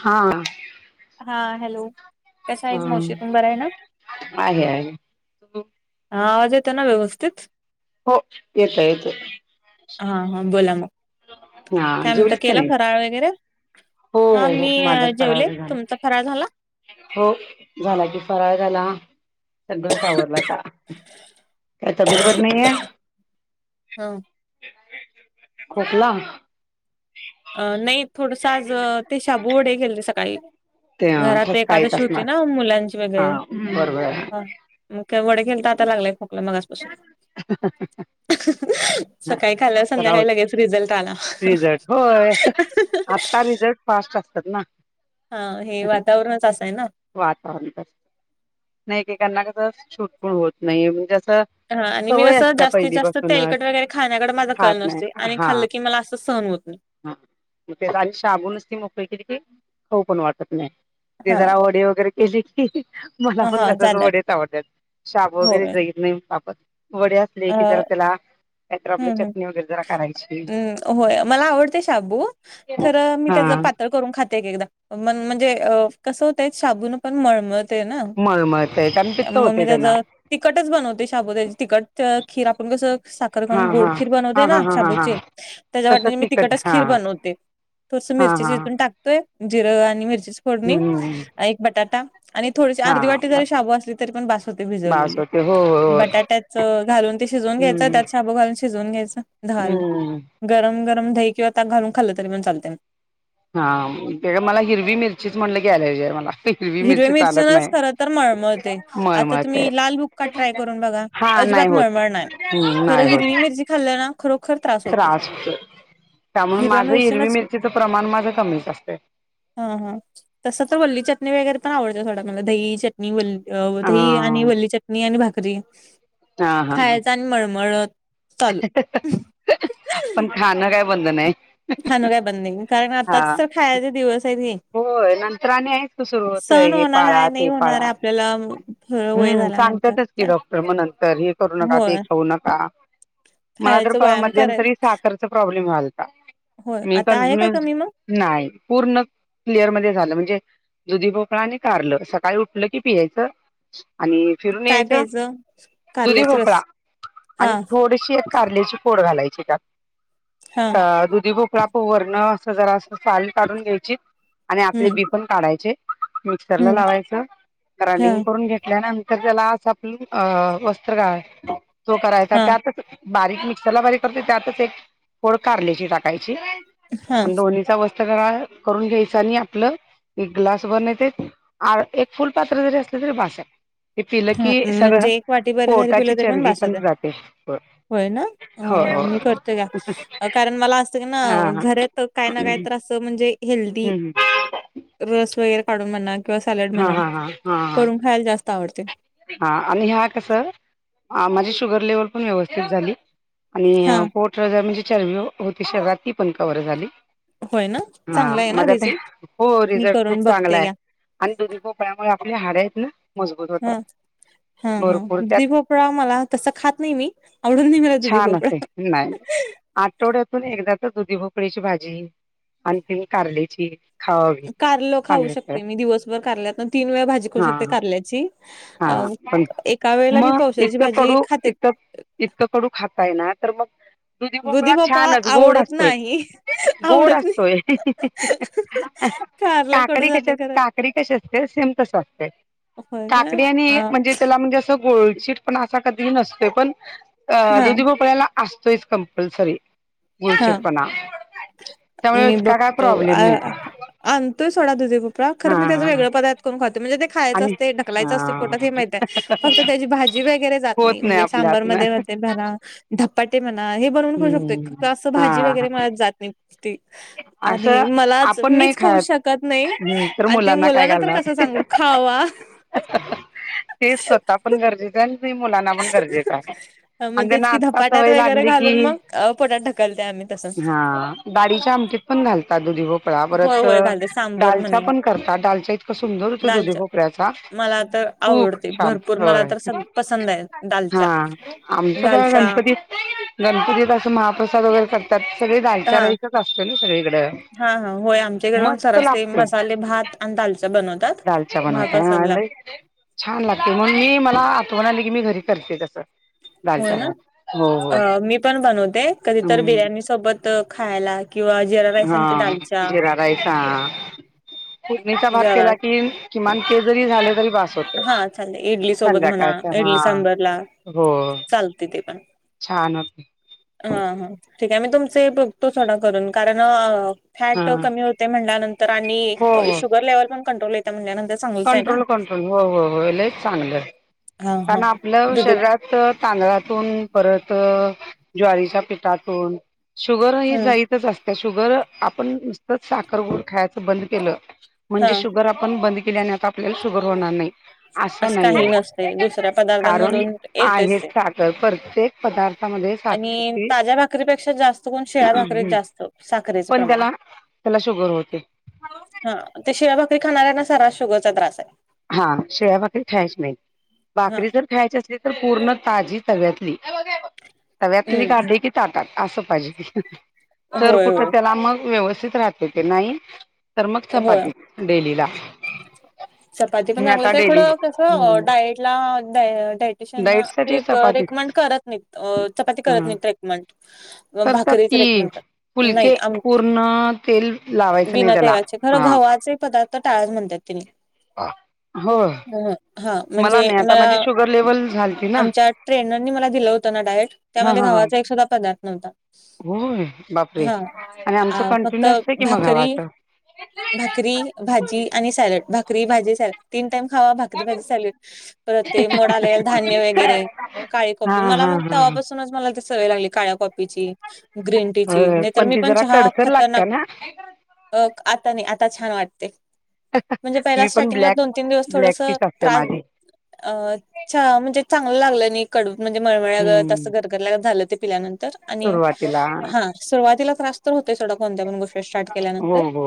हा. हा, हॅलो. कशा आहेत हम, मावशी तुम्ही बरा आहे ना आहे आहे. हा, आवाज येतो ना व्यवस्थित. हो, येतोय येतोय. हा हा, बोला मग हा काय म्हणता, जेवलीस का केला नाही फराळ वगैरे. हो हो हा, हो मी माझा फराळ जेवले वगैरे झाला तुमचा, फराळ झाला. हो झाला की, फराळ झाला. सगळंच आवरला आता, काय तब्येत बरी नाही ए. हो. खोकला. अ.. नाही थोडंसं आज ते, शाबू वडे केलेते सकाळी ते घरात. ते ठसका येत एकादशी होती असणार ना, मुलांची हा वगैरे बरोबर हा. आहे मग काय वडे केलंत आता, लागलाय खोकला मगाचपासून. सकाळी खाल्यावर, सराव संध्याकाळी लगेच रिझल्ट आला. रिझल्ट होय. आता रिझल्ट फास्ट असत्यात ना. हा, हे वातावरणच असं आहे ना. वातावरण तसं, नाही एकेकांना कसं सूट पण होतं नाही. म्हणजे अस, हा आणि मी कसं जास्तीत जास्त तेलकट वगैरे खाण्याकडे माझं कल खात नाही नसते, आणि खाल्लं की मला असं सहन होत नाही. हां मग तेच आणि शाबू नुस्ती मोकळी केली, की खाऊ पण वाटत नाही. ते हा जरा वडे वगैरे केली की. मला पण हा तसंच जाणार वडेच आवडत्यात, शाबू वगैरे होय जाईत नाही. मला पण वडे असती लै अ की जरा त्याला, काय तर आपली हम्म हम्म चटणी जरा करायची. हम्म होय मला आवडते शाबू खरं मी, हा त्याचं पातळ करून खात एकेकदा म्हणजे कसं होतंय. शाबून पण मळमळ ते ना, मळमळतय कारण पित्त मग मी होतय त्यांन त्याचं. तिखटच बनवते शाबुदाची तिकखट खीर आपण कसं साखर हा घालून हा गोडखीर हा बनवते ना हा हा हा हा शाबूची त्याच्या तस वाटनीची मी तिकट तिकटच हा खीर बनवते. थोडस हा मिरची हा चेचून टाकतोय जिरं आणि मिरचीच फोडणी हम्म एक बटाटा आणि थोडीशी हा अर्धी वाटी जरी बस शाबू असली तरी पण बस होते बास भिजवलेली. होते हो हो बटाट्याच घालून ते शिजवून घ्यायचं हम्म त्यात, शाबू घालून शिजवून घ्यायचं झालं, हम्म गरम गरम दही किंवा ताक घालून खाल्लं तरी पण चालते ना. हा ते मला हिरवी मिरची म्हटलं की एलर्जी हाय मला. हिरवी हिरव्या मिरची चालत नच नाही. खर तर मळमळते आता मळमळतय तुम्ही लाल बुक्का ट्राय करून बघा. हा नाही अजिबात होत मळमळ नाही हम्म खरं नाही होत हिरवी मिरची खाल्ली ना खरोखर त्रा त्रास होतोय, त्यामुळे माझं हिरवी मिरचीनच मिरचीचं प्रमाण माझं कमीच असतं. हा हा तस तर वल्ली चटणी वगैरे पण आवडते थोडा मला दही चटणी वल्ली. अ दही आणि वल्ली चटणी आणि भाकरी. हा हा खायचं आणि मळमळ, पण खाणं काय बंद नाही. खाण काय बंद नाही, कारण हा आताच तर खायचे दिवस आहेत. होय नंतर आणि आहेच क सुरू होतय सण हे होणार पाळा आहे नाही ते होणार पाळा. आहे आपल्याला वय हम्म झाल्यानंतर सांगतातच की डॉक्टर मग नंतर हे करू नका ते होय खाऊ नका. मला तर खायचं परवा व्यायाम कराय मध्यंतरी साखर प्रॉब्लेम झालता. होय मी आता आहे का कंटिन्यू कमी मग नाय पूर्ण, क्लिअर मध्ये झालं, म्हणजे दुधी भोकळा आणि कारलं सकाळी उठलं की पियायचं. आणि फिरून यायचं. [unintelligible] दुधी भोपळा रस हा आणि थोडीशी कारल्याची फोड घालायची त्यात. हा अ दुधी भोपळा पो वरन अशी जरा अस साल काढून घ्यायची. आणि हम्म आतले बी पण काढायचे मिक्सरला हम्म लावायचं हा ग्राइंडिंग करून घ्या त्यानंतर त्याला असा आपलं वस्त्रगाळ करायचा तो करायचा हा त्यात बारीक मिक्सरला बारीक करते त्यातच एक फोड कारल्याची टाकायची हा दोन्हीचा वस्त्रगाळ वस्त्रगाळ करून घ्यायचा. त्यानी आपलं एक ग्लास बनते एक फुल पात्र जरी असलं तरी बास. हे पिलं हा की सगळ म्हणजे एक वाटी बरी जरी पोटाची पिलं तरी चरबी बास पण होतंय. जाते. होय ना हो हो मी करतो घ्या, कारण मला असतं का हा ना हा घरात काय ना काय असं म्हणजे हेल्दी हम्म रस वगैरे. काडून म्हणा किंवा सॅलड हा म्हणा हा हा हा करून हा खायला जास्त आवडते. हा आणि ह्या कसं माझी शुगर लेवल पण व्यवस्थित झाली. हा आणि पोट म्हनजे चरबी तेही कव्हर झाली. होय ना? हा चांगला आहे ना माजा ते रिझल्ट? हो मी रिझल्ट खूप करून चांगला बघते आहे. घ्या. आणि दुधी भोपळ्या मुळे आपली हाडे आहेत ना मजबूत होतात. हा हा हा भरपूर त्यात दुधी भोपळा मला तसं खात नाही मी आवडून नाही मला दुधी भोपळा. नाय आठवड्यातून एकदा तर दुधी भोपळीची भाजी आणखी कारलीची कारल खाऊ शकते मी दिवसभर कारल्यात ना तीन वेळा भाजी खाऊ शकते हां कारल्याची. अ हां पण एका वेळेला मी मग पावशेर ची इतकं भाजी कडू खाते. इतकं इतकं कडू खातातय ना तर मग, दुधी भोपळा छानच गोड असतोय गोड आवडत नाही. असतोय. ह हे हे हं कारला कडू काकडी कशी जाते खरं काकडी कशी असते सेम तसं असतय. होय का काकडी आणि अ म्हणजे त्याला म्हणजे असं गोळचीट पणा असं कधी नसतोय पण अ हा दुधी, भोपळ्याला असतोयच कंपल्सरी हा गुळचिट पणा. मी बघतो अ आणतोय सोडा दुधी भोपळा खरं मी त्याचा हा वेगळा पदार्थ करून खातो म्हणजे ते खायचं आणि असते ढकलायचं असते पोटात हा हे माहिते आहे फक्त त्याची भाजी वगैरे जात नाही होत म्हणजे आपल्या हातनं. सांबरमध्ये ते म्हणा धपाटे म्हणा हे बनवून खाऊ हम्म. शकतोय असं हा भाजी हा वगैरे मला जात नाही. ती आणि असं मलाच आपण नाही मीच खाऊ खात शकत नाही तर आणि ते काय मुलांना तर घालणार? कसं सांगू खावा. ते स्वतः पण गरजेचं आहे आणि ते मुलांना पण गरजेचं आहे. अ, आणि मग तेच त्यांना की आता धपाट्यात सवय वगैरे लागली घालून की मग अ, पोटात ढकलते आम्ही तसं. हा. दाळीच्या आमटीत पण घालाटा दुधी, भोप पळा होय परत अ होय घालते सांबर डालच्या म्हणे पण करतात डालच्या इतकां सुंदर होतो दुधी दालच्या भोपळ्याचा. मला आता खूप छान होय आहे हा दालच्या. आमचं तर दालच्या गणपती गणपतीत असं महाप्रसाद वगैरे करतात सगळे दालचा हा राईसच असत ना सगळीकडे. हा हा होय आमच्याकडे पण सरास ते मसाले भात आणि दालचा बनवतात. दालचा बनवतात हा महाप्रसादला लय छान लागते म्हणून मी मला आठवण आली की मी घरी करते तसं. हो दालच्या ना भात हो हो अ मी पण बनवते कधी तर बिर्याणी हम्म सोबत खायला. किंवा जिरा राईस हा आणि ते दालच्या जिरा राईस हा. फोडणीचा भात जरा केला कि किमान ते जरी झाले तरी बास होतय हा चालेल इडली सोबत म्हणा संध्याकाळ. इडली सांबारला हो. चालते ते पण. छान होते. हा हा ठीक आहे मी तुमचे बघतो सोडा करून कारण अ हा फॅट कमी होते म्हणल्यानंतर हो आणिअ इ हो शुगर लेव्हल पण कंट्रोल येते म्हणल्यानंतर चांगलंच आहे ना कंट्रोल कंट्रोल हो हो लय चांगलं हा कारण हा आपलं दुध शरीरात तर तांदळातून परत ज्वारीच्या पिठातून शुगर ही हम्म जाय चच असते शुगर आपण नुसतं साखर, गूळ खायचं बंद केल हा म्हणजे शुगर आप पण बंद केल्या आणि आता आपल्याला शुगर होणार नाही असं काही नाहीये नसते दुसऱ्या कारण पदार्थांमधून येतच आहेस ते तर प्रत्येक पदार्थामध्ये साखर आणि ही ताज्या भाकरीपेक्षा जास्त कोण शिळ्या भाकरीत हम्म जास्त साखरेचं प्रमाण त्याला शुगर होते. हा ते शिळ्या भाकरी खाणाऱ्यांना सरा शुगरचा त्रास आहे. हा शिळ्या भाकरी खायच्या नाहीत हा भाकरी जर ख्याची असली तर पूर्ण ताजी तव्यातली तव्यातली हम्म काढली की ताटात असं पाहिजे तर होय कुठे होय त्याला मग व्यवस्थित राहते ते नाही. तर मग होय चपाती डेली ला. चपाती पण मी आता चांगलंच आहे खूडं कसं हम्म डायट ला डा डाईट पेशंटना ते साठी क चपाती रेकमंड करत नाहीत अ चपाती करत ह नाही रेकमंड. मग करतात भाकरीच की रेकमंड करता. नाही फुलके आम पूर्ण तेल लावायचं नाही बिना त्याला तेलाचे खरं हा गव्हाचे पदार्थ टाळच म्हणत्यात तेनी हो हा म्हणजे नाही आता मला माझी शुगर लेवल झालती ना आमच्या ट्रेनरनी मला दिलं होतं ना डायट हा त्यामध्ये हा हा गव्हाचा एक सुद्धा पदार्थ नव्हता होय बापरे हा आणि अ आमचं फक्त कंटिन्यू असतय की मग भाकरी गव्हाच भाकरी भाजी आणि सॅलड भाकरी भाजी सॅलड तीन टाईम खावा भाकरी भाजी सॅलड परत ते मोडआलेले धान्य वगैरे काळी हा कॉफी मला हा मग हा तवापासून मला ती सवय लागली काळ्या कॉपीची ग्रीन टी ची हो नाहीतर मी ती पण जरा चहा कडसर लागते खतरनाक ना अ आता नाही आता छान वाटते म्हणजे पहिला मी पण स्टार्टिंगला ब्लॅक दोन तीन दिवस ब्लॅक थोडसं टीच असते त्रास माझी अ च म्हणजे चांगल लागलं नाही कडू म्हणजे मळमळमळ्यागत हम्म असं करत फिरल्यागत झाल ते पिल्यानंतर आणि सुरुवातीला हा सुरुवातीला त्रास तर होते सोडा कोणत्या पण गोष्टी ते स्टार्ट हो केल्यानंतर हो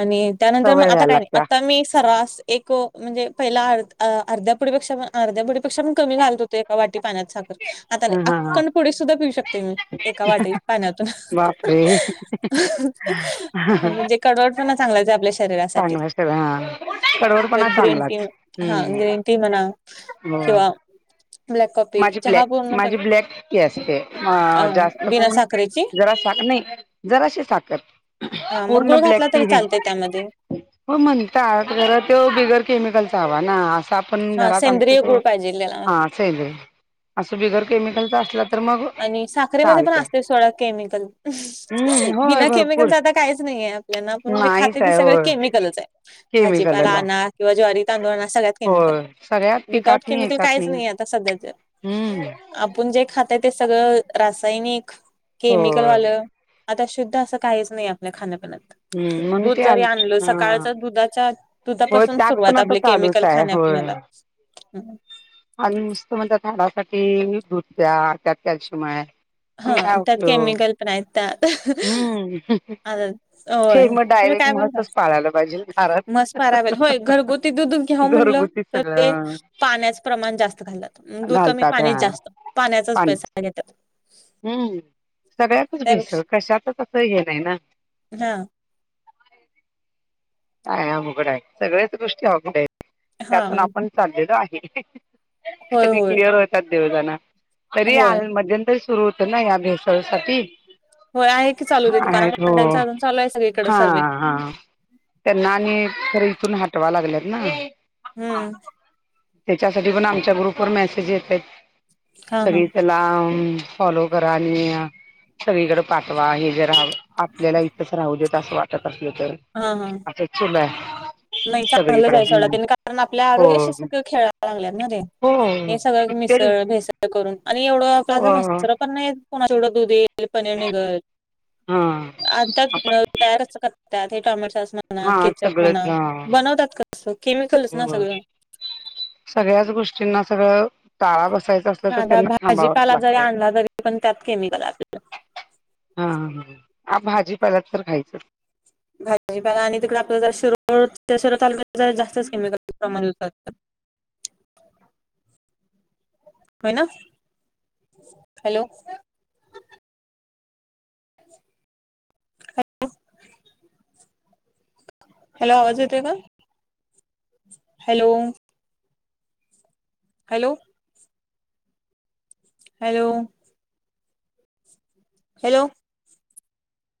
आणि त्यानंतर म सवय आता व्हायला काय नाही लागत्या पण मी सरास एक अ म्हणजे पहिला अर्ध्या पुडीपेक्षा पण अर्धा पुडीपेक्षा पण कमी घालत होते एका वाटी पाण्यात साखर आता नई हा हा हा अखंड पुडी सुद्धा पिऊ एका वाटी पाण्यातून बापरे म्हणजे कडवट पण चांगला ते आपल्याशी चांगला सवय हा कडवटपणा चांगलाच हू ते म्हणा म्ह किंवा ब्लॅक कॉफी माझी चहा ब्लॅक पूर्ण पण माझी ब्लॅक टी असते अ जास्त बिना करून साखरेची पण जरासा नई जराशी साखर हा मग पूर्ण गुळ घातला ब्लॅक टी तरी चालतय त्यामध्ये नाही हो म्हणता जरा त्यो बिगर केमिकलचा हवा ना असा पण हा घरात आमच सेंद्रिय तो गुळ पाहिजे त्याला हा असं बिगर केमिकलचा असला तर मग आणि साखरेमध्ये पण चालतंय असते सोडा केमिकल हम्म होय बिना भरपूर केमिकलच आता काहीच नाहीये आपल्यांना पण खाते नाहीच ते आहे सगळ होय केमिकलच आहे भाजीपाला केमिकलच आहे आना किंवा ज्वारी तांदूळ आना सगळ्यात केमिकल होय सगळ्यात विदाउट केमिकल कायच नाही आता सध्या तर हू आपण जे खाते ते सगळं रासायनिक केमिकल होय वाल आता शुद्ध असं कायच नाही आपल्या खाण्या पिण्यात हम्म म्हणून दूध ते जरी आल आणलं हा सकाळच दुधाचा होय दुधापासून त्यात पण सुरुवात आता आपला चालूच केमिकल तेन आहे होय खाण्यापिण्याला हू आणि नुसतं म्हणतात हाडासाठी दूध प्या त्यात कॅल्शियम हाय हा त्यात केमिकल पण आहे त्या हम्म हे होय मग तुम्ही डायरेक्ट काय करता म्हसच पाळायला पाहिजे घरात मस पारावेल होय घरगुती दूध घ्याव म्हटलं घरगुती तर ते सगळं पाण्यात प्रमाण जास्त घालतात दूध कमी घालतात पाणीच हा जास्त पाण्याचाच पैसा घेतात हू सगळ्यातच भेसळ त्यापेक्षा कशातच असं हे नाही ना हा काय अवघड आहे सगळ्याच गोष्टी अवघड आहेत हा त्यातून आपण चाललेलो आहे होय कधी होय क्लियर होतात देव जाणा तरी आ होय मध्यंतरी सुरू होत ना या भेसळसाठी होय आहे की चालू दे दुकाना हॅलो अजून चालू आहे सगळीकडे हा सर्वे हा त्यांना आणि तर इथून हटवा लागल्यात ना. हम्म त्याच्यासाठी पण आमच्या ग्रुप वर मेसेज येतय, सगळी चला हा हम्म. फॉलो करा आणि, सगळीकडे पाठवा, हे जरा आपल्याला इथेच राहू द्या. असं वाटलं असलं तर. हा हा. असंच चालू आहे. नाही चांगलंच आहे सगळीकडे सोडा ते, त्यांनी कारण आपल्या हो आरोग्याशी असं सगळं खेळायला लागल्यात ना ते. हो हे सगळंच इतके मिसळ भेसळ करून आणि एवढं [unintelligible] पण नाही कोणाच एवढं दूध येईल, पनीर निघल. हा आता आपण तयार कसं करत्यात, हे टोमॅटो सॉस म्हणा हा केचप सगळंच म्हणा, हा लावतात का तसं, केमिकलच ना हो सगळं. सगळ्याच गोष्टींना सगळं टाळा बसायचा असलं तर साधा त्यांना थांबावच भाजीपाला जरी लागतय. आणला तरी पण त्यात केमिकल आपल्याला हा, हा भाजीपाला तर खायचं भाजीपाला आणि, तिकडे आपलं जर शिरोळ तालुक्यात जरा जास्तच केमिकल प्रमाणांत [inaudible] होयना, हॅलो! हॅलो. हॅलो आवाज येतोय का? हॅलो! हॅलो! हॅलो! हॅलो!